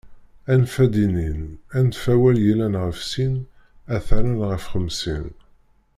Anef ad inin, anef awal yellan ɣef sin ad tarren ɣef xemsin.